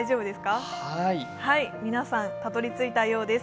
皆さんたどり着いたようです。